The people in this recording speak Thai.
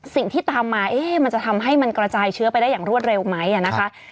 สิ่งที่ตามมามันจะทำให้มันกระจายเชื้อไปได้อย่างรวดเร็วไหมนะคะ